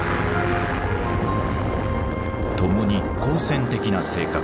ともに好戦的な性格。